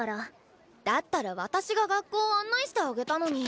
だったら私が学校案内してあげたのに。